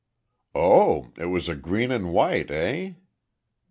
"Oh, it was a Green and White, eh?"